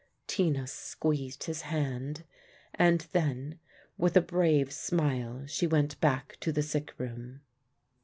Tina squeezed his hand, and then with a brave smile she went back to the sick room.